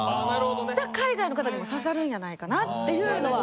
海外の方にも刺さるんやないかなっていうのは。